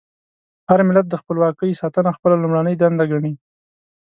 هر ملت د خپلواکۍ ساتنه خپله لومړنۍ دنده ګڼي.